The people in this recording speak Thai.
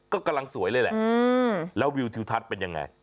ก็กำลังสวยเลยแหละแล้ววิวทิวทัศน์เป็นยังไง